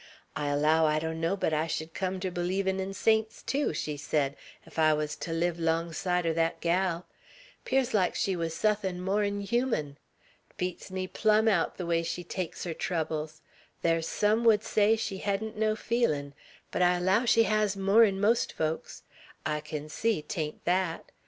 "I allow I donno but I sh'd cum ter believin' in saints tew," she said, "ef I wuz ter live 'long side er thet gal. 'Pears like she wuz suthin' more 'n human. 'T beats me plum out, ther way she takes her troubles. Thar's sum would say she hedn't no feelin'; but I allow she hez more 'n most folks. I kin see, 'tain't thet.